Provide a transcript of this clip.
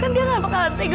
dia gak akan narratif